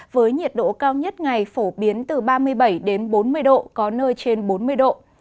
với nhiệt độ cao nhất ngày phổ biến từ ba mươi bảy đến bốn mươi độ có nơi trên bốn mươi độ